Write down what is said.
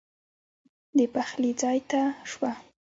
د پخلي ځای ته شوه.